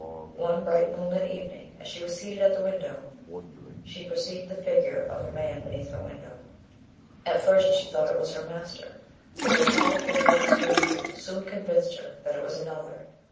One bright moonlight evening as she was seated at the window, she perceived the figure of a man beneath her window. At first, she thought it was her master; but the tall figure of the stranger soon convinced her that it was another.